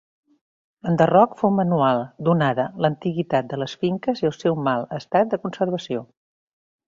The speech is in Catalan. L'enderroc fou manual donada l'antiguitat de les finques i el seu mal estat de conservació.